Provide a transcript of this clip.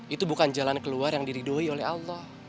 itu bukan jalan keluar yang diridoi oleh allah